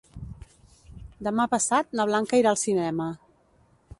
Demà passat na Blanca irà al cinema.